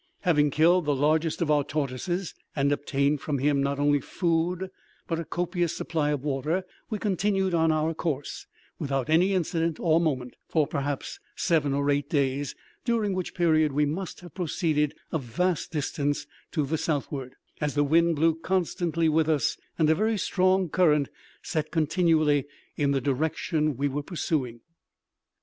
Having killed the largest of our tortoises, and obtained from him not only food but a copious supply of water, we continued on our course, without any incident of moment, for perhaps seven or eight days, during which period we must have proceeded a vast distance to the southward, as the wind blew constantly with us, and a very strong current set continually in the direction we were pursuing.